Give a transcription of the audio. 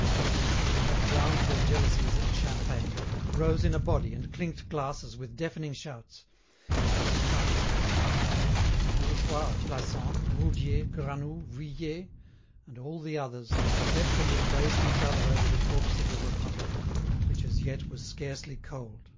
The gentlemen, who had drowned their jealousies in champagne, rose in a body and clinked glasses with deafening shouts. It was a fine spectacle. The bourgeois of Plassans, Roudier, Granoux, Vuillet, and all the others, wept and embraced each other over the corpse of the Republic, which as yet was scarcely cold.